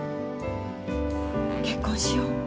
結婚しよう。